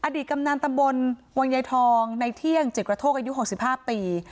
กำนันตำบลวังยายทองในเที่ยงจิตกระโทกอายุ๖๕ปี